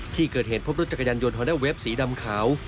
ที่เกิดเหตุพบรถจักรยานยนต์ฮอนด้าเวฟสีดำขาว